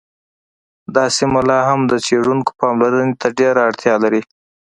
دا سیمه لا هم د څیړونکو پاملرنې ته ډېره اړتیا لري